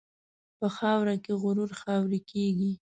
په خاوره کې غرور خاورې کېږي.